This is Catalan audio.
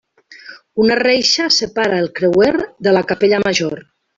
Una reixa separa el creuer de la capella major.